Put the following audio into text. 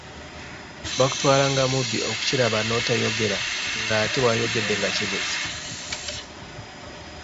Bakutwala nga mubbi okukiraba n’otayogera, ng’ate wayogedde nga kibuze.